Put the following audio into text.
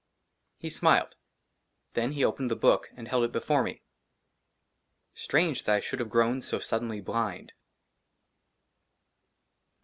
HE SMILED. THEN HE OPENED THE BOOK AND HELD IT BEFORE ME. STRANGE THAT I SHOULD HAVE GROWN SO SUDDENLY BLIND.